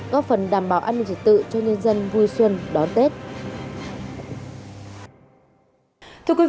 góp phần đảm bảo an ninh dịch tự cho nhân dân vui xuân đón tết